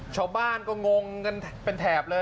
ชาวบ้านก็งงกันเป็นแถบเลย